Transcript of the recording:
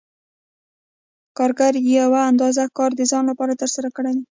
کارګر یوه اندازه کار د ځان لپاره ترسره کړی دی